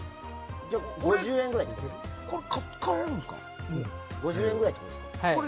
じゃあ５０円ぐらいってことですか？